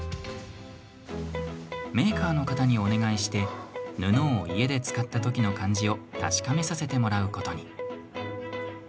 メーカーの方にお願いして家で布を使ったときの感じを確かめさせてもらうことに。